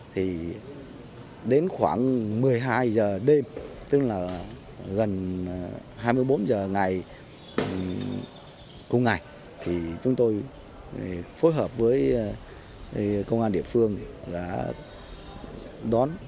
thì đến khoảng một mươi hai h đêm tức là gần hai mươi bốn h ngày cùng ngày thì chúng tôi phối hợp với công an địa phương đã đón